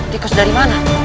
tikus dari mana